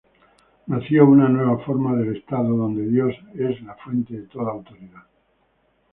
Nació una nueva forma del Estado donde Dios es fuente de toda autoridad.